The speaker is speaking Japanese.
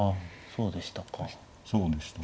そうでしたか。